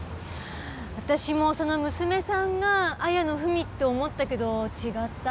私もその娘さんが綾野文って思ったけど違った。